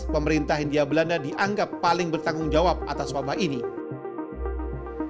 pemerintah hindia belanda dianggap paling bertanggung jawab atas wabah ini